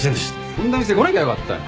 こんな店来なきゃよかったよ。